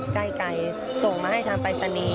ใกล้ส่งมาให้ทางภาษณีย์